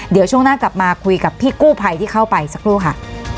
เดี๋ยวช่วงหน้ากลับมาคุยกับพี่กู้ภัยที่เข้าไปสักครู่ค่ะ